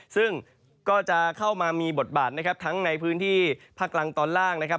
ซึ่งก็จะเข้ามามีบทบาทนะครับทั้งในพื้นที่ภาคกลางตอนล่างนะครับ